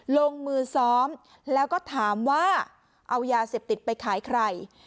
ลงมือซ้อมแล้วก็ถามว่าเอายาเสพติดไปขายใคร